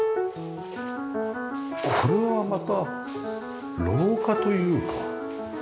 これはまた廊下というか。